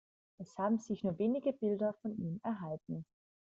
Es haben sich nur wenige Bilder von ihm erhalten.